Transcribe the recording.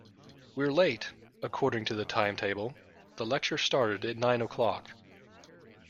We're late! According to the timetable, the lecture started at nine o'clock